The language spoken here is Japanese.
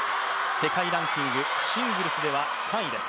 世界ランキングシングルスでは３位です。